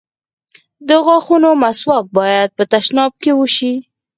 د غاښونو مسواک بايد په تشناب کې وشي.